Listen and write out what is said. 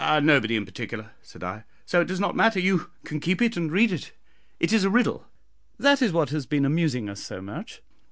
"Nobody in particular," said I, "so it does not matter; you can keep it and read it. It is a riddle; that is what has been amusing us so much.